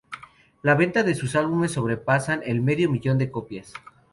La venta de sus álbumes sobrepasan el medio millón de copias.